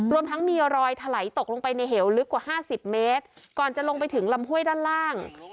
รวมทั้งมีรอยถลายตกลงไปในเหวลึกกว่า๕๐เมตรก่อนจะลงไปถึงลำห้วยด้านล่าง